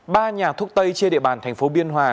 ba nhà thuốc tây trên địa bàn thành phố biên hòa